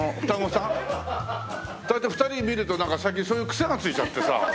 そうやって２人見るとなんか最近そういう癖がついちゃってさ。